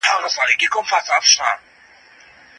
عمر په بیړه د غلام د خاوند د موندلو پوښتنه وکړه.